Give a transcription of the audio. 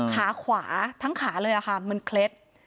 ขาขวาทั้งขาเลยค่ะมันเคล็ด